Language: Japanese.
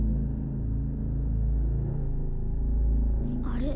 あれ？